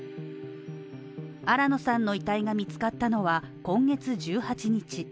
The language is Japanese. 新野さんの遺体が見つかったのは今月１８日。